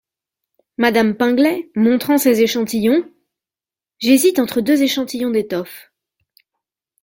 Madame Pinglet , montrant ses échantillons. — J’hésite entre deux échantillons d’étoffes !